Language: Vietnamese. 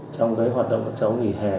trong cái hoạt động các cháu nghỉ hè